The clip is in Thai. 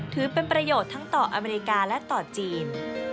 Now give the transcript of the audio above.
ถือเป็นประโยชน์ทั้งต่ออเมริกาและต่อจีน